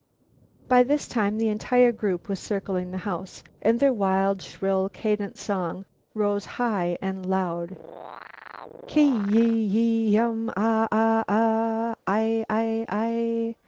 By this time the entire group were circling the house, and their wild shrill cadent song rose high and loud: "Ki yi yi um Ah! Ah! Ah! I I I!"